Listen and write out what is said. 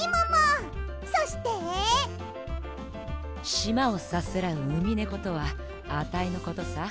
しまをさすらうウミネコとはアタイのことさ。